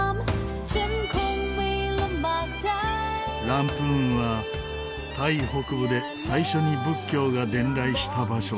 ランプーンはタイ北部で最初に仏教が伝来した場所。